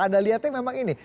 anda lihatnya memang ini